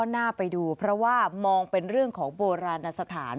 น่าไปดูเพราะว่ามองเป็นเรื่องของโบราณสถาน